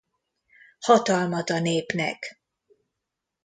Hatalmat a népnek!